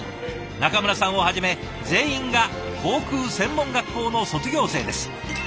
中村さんをはじめ全員が航空専門学校の卒業生です。